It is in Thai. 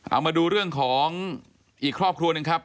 เอามาดูเรื่องของอีกครอบครัวหนึ่งครับ